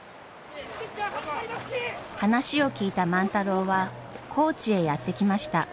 話を聞いた万太郎は高知へやって来ました。